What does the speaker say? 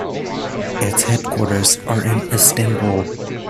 Its headquarters are in Istanbul.